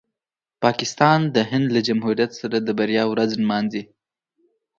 پاکستان د هند له جمهوریت سره د بریا ورځ نمانځي.